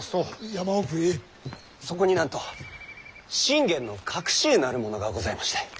そこになんと信玄の隠し湯なるものがございまして。